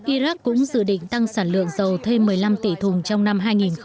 iraq cũng dự định tăng sản lượng dầu thêm một mươi năm tỷ thùng trong năm hai nghìn hai mươi